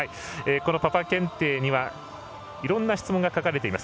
このパパ検定にはいろんな質問が書かれています。